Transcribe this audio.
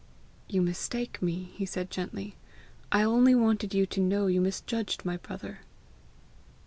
"You mistake me," he said gently. "I only wanted you to know you misjudged my brother."